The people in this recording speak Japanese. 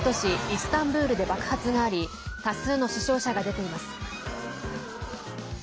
イスタンブールで爆発があり多数の死傷者が出ています。